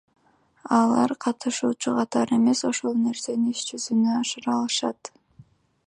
Алар катышуучу катары эмес, ошол нерсени иш жүзүнө ашыра алышат.